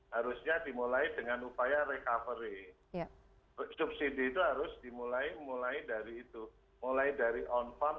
harusnya dimulai dengan upaya recovery subsidi itu harus dimulai mulai dari itu mulai dari on farm